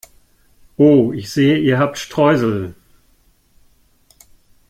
Oh, ich sehe, ihr habt Streusel!